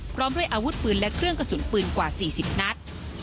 พร้อมด้วยอาวุธปืนและเครื่องกระสุนปืนกว่า๔๐นัด